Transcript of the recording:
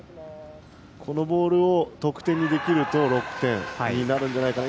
このボールを得点にできると６点になるんじゃないかな。